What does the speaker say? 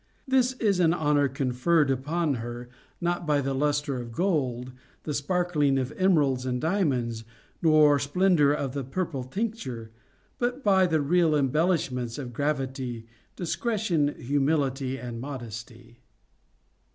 This is an honor conferred upon her, not by the 496 CONJUGAL PRECEPTS. lustre of gold, the sparkling of emeralds and diamonds, nor splendor of the purple tincture, but by the real embel lishments of gravity, discretion, humility, and modesty.